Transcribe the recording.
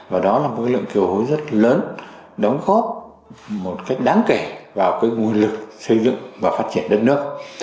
và đó là một lượng kiều hối rất lớn đóng góp một cách đáng kể vào nguồn lực xây dựng và phát triển đất nước